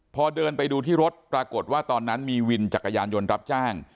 พอเดินไปดูที่รถปรากฏว่าตอนนั้นมีวินจักรยานยนต์รับจ้าง